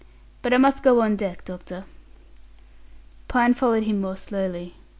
"But I must go on deck, doctor." Pine followed him more slowly.